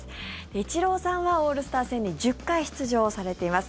イチローさんはオールスター戦に１０回出場されています。